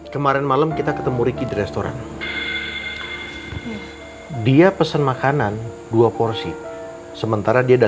jangan mauidade seterusnya